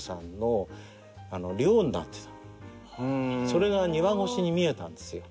それが庭越しに見えたんですよ。